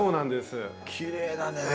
きれいだね。